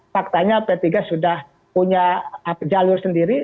faktanya p tiga sudah punya jalur sendiri